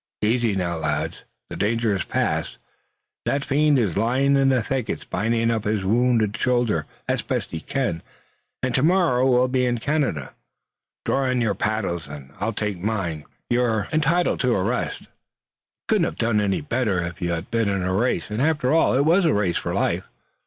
Easy now, lads! The danger has passed. That fiend is lying in the thicket binding up his wounded shoulder as best he can, and tomorrow we'll be in Canada. Draw in your paddles, and I'll take mine. You're entitled to a rest. You couldn't have done better if you had been in a race, and, after all, it was a race for life."